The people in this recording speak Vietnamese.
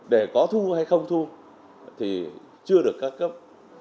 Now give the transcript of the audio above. để có thu hay không thu thì chưa được các cấp